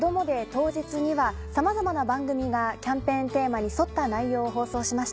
当日にはさまざまな番組がキャンペーンテーマに沿った内容を放送しました。